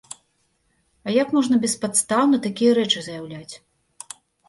А як можна беспадстаўна такія рэчы заяўляць.